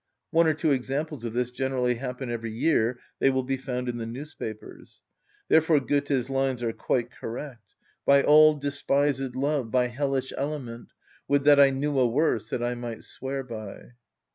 One or two examples of this generally happen every year; they will be found in the newspapers. Therefore Goethe's lines are quite correct:— "By all despised love! By hellish element! Would that I knew a worse, that I might swear by!"